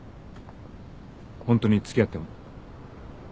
ホントに付き合っても。